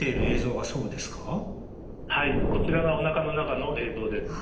はいこちらがおなかの中の映像です。